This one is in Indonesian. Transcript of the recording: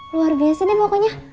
luar biasa deh pokoknya